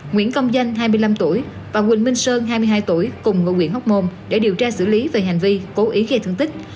nguyễn công danh hai mươi năm tuổi và quỳnh minh sơn hai mươi hai tuổi cùng ngụ huyện hóc môn để điều tra xử lý về hành vi cố ý gây thương tích